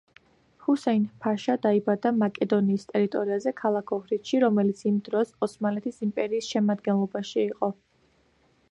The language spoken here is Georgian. ჰუსეინ-ფაშა დაიბადა მაკედონიის ტერიტორიაზე, ქალაქ ოჰრიდში, რომელიც იმ დროს ოსმალეთის იმპერიის შემადგენლობაში იყო.